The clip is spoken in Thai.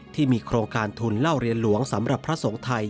ที่มีโครงการทุนเล่าเรียนหลวงสำหรับพระสงฆ์ไทย